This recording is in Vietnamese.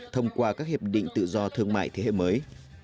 thông qua các hiệp định tự do thương mại thế hệ mới